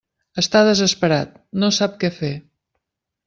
Està desesperat, no sap què fer.